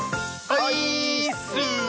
オイーッス！